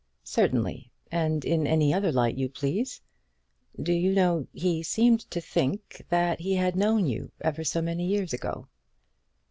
"Certainly; and in any other light you please. Do you know he seemed to think that he had known you ever so many years ago."